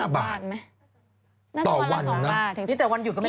๒บาทนี่คือวันละใช่ไหม